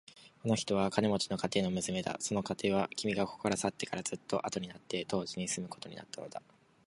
この人は金持の家庭の娘だ。その家庭は、君がここから去ってからずっとあとになって当地に住むことになったのだ。